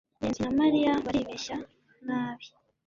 ngenzi na mariya baribeshya nabi